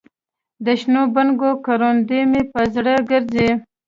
دشنو بنګو کروندې مې په زړه ګرځي